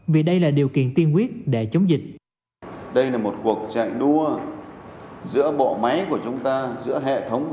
vì đây là điều kiện tiên quyết để chống dịch